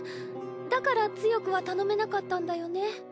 だから強くは頼めなかったんだよね。